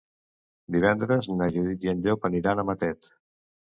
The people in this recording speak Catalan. Divendres na Judit i en Llop aniran a Matet.